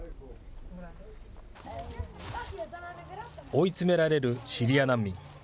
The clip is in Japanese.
追い詰められるシリア難民。